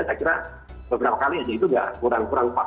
saya kira beberapa kali aja itu nggak kurang kurang pas